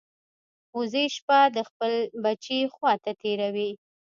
وزې شپه د خپل بچي خوا ته تېروي